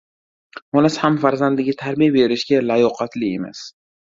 Onasi ham farzandiga tarbiya berishga layoqatli emas.